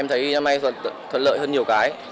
em thấy năm nay thuận lợi hơn nhiều cái